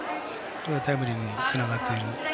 タイムリーにつながっていく。